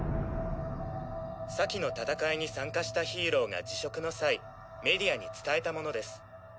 先の戦いに参加したヒーローが辞職の際メディアに伝えたものです。